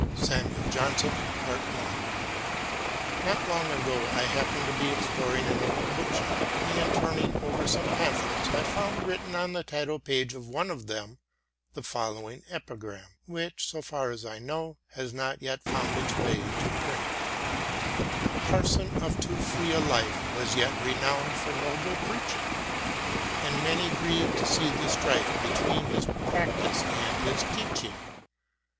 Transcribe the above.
SAMUEL JOHNSON NOT very long ago I happened to be exploring an old bookshop and, turning over some pamphlets, I found, written on the title page of one of them, the following epigram which, so far as I know, has not yet found its way into print : A parson of too free a life, Was yet renown'd for noble preaching, And many grieved to see the strife Between his practice and his teaching.